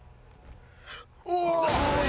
おい！